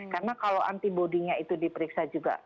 karena kalau antibody nya itu diperiksa juga